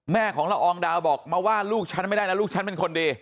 แม่ของละอองดาวบอกมาว่าลูกฉันไม่ได้นะลูกฉันเป็นคนดี